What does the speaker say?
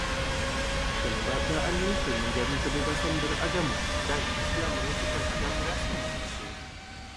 Perlembagaan Malaysia menjamin kebebasan beragama, dan Islam merupakan agama rasmi Malaysia.